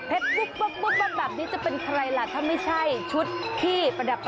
ปุ๊บแบบนี้จะเป็นใครล่ะถ้าไม่ใช่ชุดที่ประดับ